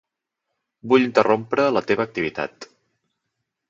Vull interrompre la teva activitat.